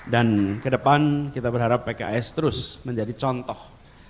dan kedepan kita berharap pks terus menjadi contoh